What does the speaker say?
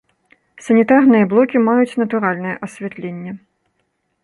Санітарныя блокі маюць натуральнае асвятленне.